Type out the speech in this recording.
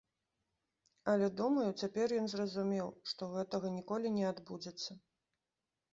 Але думаю, цяпер ён зразумеў, што гэтага ніколі не адбудзецца.